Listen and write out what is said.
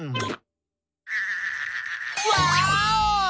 ワーオ！